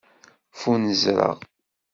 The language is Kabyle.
Ffunzreɣ.